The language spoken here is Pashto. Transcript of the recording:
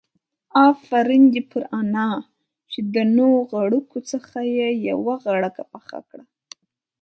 آفرين دي پر انا چې د نو غړکو څخه يې يوه غړکه پخه کړه.